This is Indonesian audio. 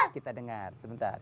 kita dengar sebentar